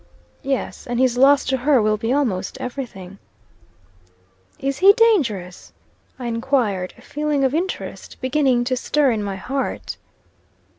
"Yes; and his loss to her will be almost everything." "Is he dangerous?" I enquired, a feeling of interest beginning to stir in my heart.